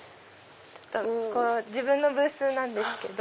自分のブースなんですけど。